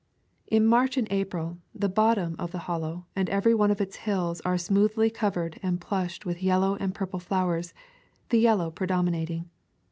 In March and April the bottom of the Hol low and every one of its hills are smoothly covered and plushed with yellow and purple flowers, the yellow predominating.